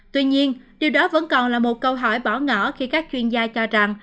tuy nhiên điều đó vẫn còn là một câu hỏi bỏ ngỏ khi các chuyên gia cho rằng